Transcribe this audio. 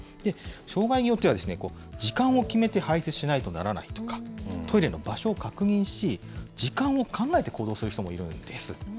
障害用というのは時間を決めて排せつしないとならないとか、トイレの場所を確認し、時間を考えて行動する人もいるんです。